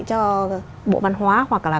cho bộ văn hóa hoặc là